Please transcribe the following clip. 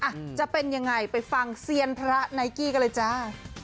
อ่ะจะเป็นยังไงไปฟังเซียนพระไนกี้กันเลยจ้า